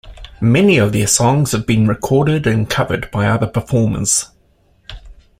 Many of their songs have been recorded and covered by other performers.